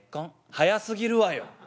「早すぎるわよ。